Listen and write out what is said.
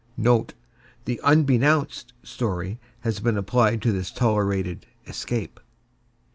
(NOTE. The "Unbeknownst" story has been applied to this tolerated "escape.")